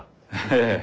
ええ。